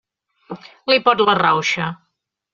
Li pot la rauxa.